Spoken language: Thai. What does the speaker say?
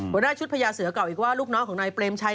หัวหน้าชุดพญาเสือกล่าวอีกว่าลูกน้องของนายเปรมชัย